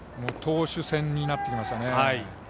投手戦になってきましたね。